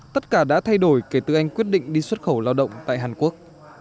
tất cả đã thay đổi kể từ anh quyết định đi xuất khẩu lao động tại hàn quốc